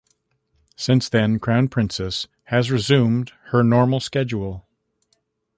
Since then, "Crown Princess" has resumed her normal schedule.